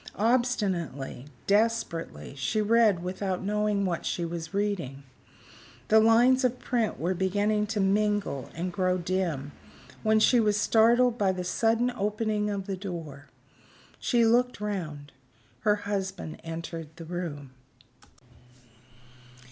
Obstinately, desperately, she read without knowing what she was reading. The lines of print were beginning to mingle and grow dim, when she was startled by the sudden opening of the door. She looked round. Her husband entered the room.